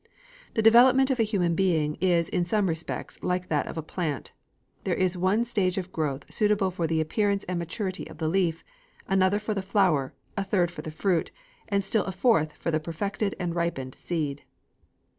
The development of a human being is in some respects like that of a plant. There is one stage of growth suitable for the appearance and maturity of the leaf, another for the flower, a third for the fruit, and still a fourth for the perfected and ripened seed.